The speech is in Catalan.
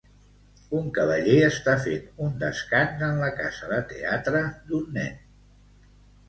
Un cavaller està fent un descans en la casa de teatre d'un nen.